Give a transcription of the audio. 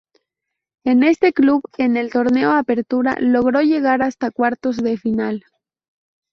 En este club en el Torneo Apertura logró llegar hasta cuartos de final.